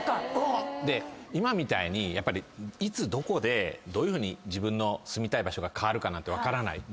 今みたいにいつどこでどういうふうに自分の住みたい場所が変わるかなんて分からない。